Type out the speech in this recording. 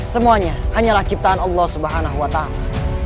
semuanya hanyalah ciptaan allah subhanahu wa ta'ala